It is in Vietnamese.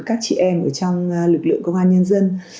các chị em ở trong lực lượng công an nhân dân